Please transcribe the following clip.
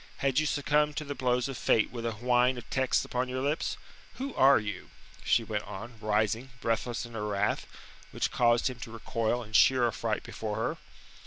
Had you succumbed to the blows of fate with a whine of texts upon your lips? Who are you?" she went on, rising, breathless in her wrath, which caused him to recoil in sheer affright before her.